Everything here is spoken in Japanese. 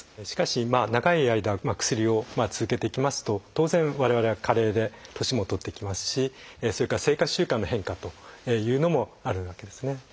しかし長い間薬を続けていきますと当然我々は加齢で年も取っていきますしそれから生活習慣の変化というのもあるわけですね。